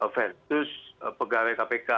versus pegawai kpk